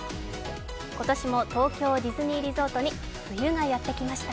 今年も東京ディズニーリゾートに冬がやってきました。